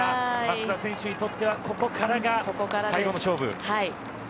松田選手にとってはここからが最後の勝負。